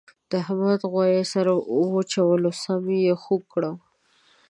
د احمد غوایه سر را واچولو سم یې خوږ کړم.